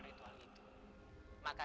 tapiidu baru terus marah